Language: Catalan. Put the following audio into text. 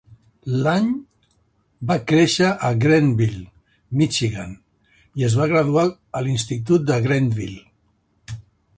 Land va créixer a Grandville, Michigan i es va graduar a l'Institut de Grandville.